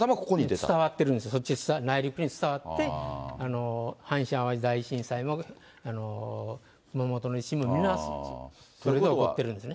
伝わってるんです、内陸に伝わって、阪神・淡路大震災も、熊本の地震もみんなそれで起こってるんですね。